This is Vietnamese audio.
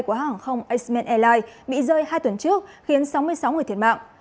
của hàng không asman airlines bị rơi hai tuần trước khiến sáu mươi sáu người thiệt mạng